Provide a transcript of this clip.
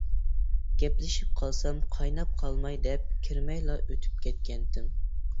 گەپلىشىپ قالسام قايناپ قالماي دەپ كىرمەيلا ئۆتۈپ كەتكەنتىم.